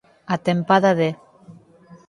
A tempada de